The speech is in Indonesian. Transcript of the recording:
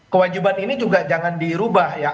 kewajiban ini juga jangan dirubah ya